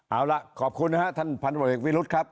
เอาละขอบคุณนะฮะท่านภัณฑ์สำหกวิรุฑครับ